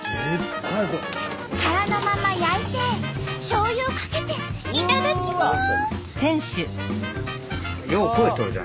殻のまま焼いてしょうゆをかけていただきます！